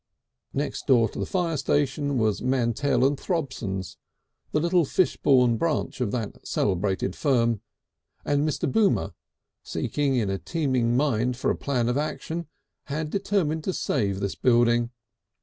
Next door to the fire station was Mantell and Throbson's, the little Fishbourne branch of that celebrated firm, and Mr. Boomer, seeking in a teeming mind for a plan of action, had determined to save this building.